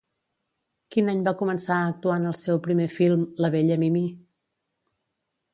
Quin any va començar a actuar en el seu primer film "La bella Mimí"?